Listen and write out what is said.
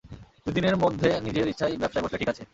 দুই দিনের মধ্যে নিজের ইচ্ছায় ব্যবসায় বসলে ঠিক আছে।